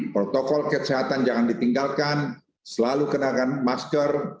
protokol kesehatan jangan ditinggalkan selalu kenakan masker